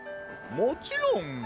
もちろん。